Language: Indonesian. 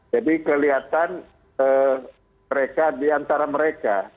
jadi kelihatan mereka di antara mereka